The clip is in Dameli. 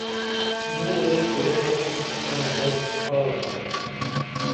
موں رل کُرئیں کی تاں دش ڇھارن گٹِنا